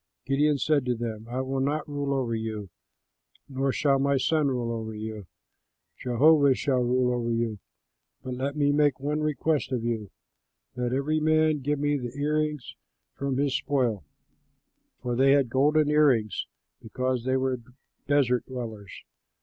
Gideon said to them, "I will not rule over you, nor shall my son rule over you; Jehovah shall rule over you; but let me make one request of you: let every man give me the ear rings from his spoil" (for they had golden ear rings, because they were desert dwellers).